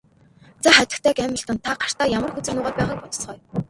За хатагтай Гамильтон та гартаа ямар хөзөр нуугаад байгааг бодоцгооё.